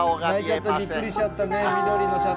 びっくりしちゃったね、緑のシャツ。